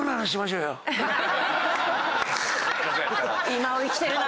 今を生きてるな。